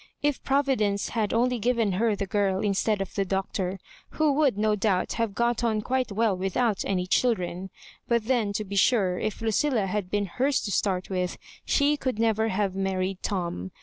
If Providence had only given her the girl in stead of the Doctor, who would no doubt have got on quite well without any children ; but then, to be sure, if Lucilla had been hers to start with, she never could have married Tom.